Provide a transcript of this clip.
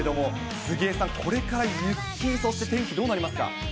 杉江さん、これから雪、そして天気、どうなりますか。